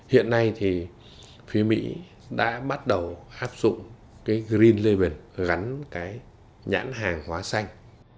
hiện nay thì phía mỹ đã bắt đầu áp dụng cái green label gắn cái nhãn hàng hóa xanh